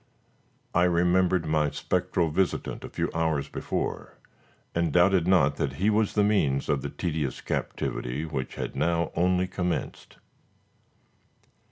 I remembered my spectral visitant a few hours before, and doubted not that he was the means of the tedious captivity which had now only commenced.